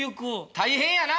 大変やなあ！